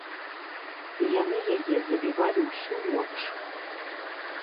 Яны яе забівалі ўсю ноч.